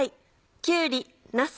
きゅうりなす